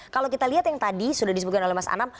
kalau kita lihat yang tadi sudah disebutkan oleh mas anam